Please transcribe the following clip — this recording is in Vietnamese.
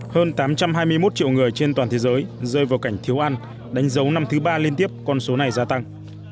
hơn tám trăm hai mươi một triệu người trên toàn thế giới rơi vào cảnh thiếu ăn đánh dấu năm thứ ba liên tiếp con số này gia tăng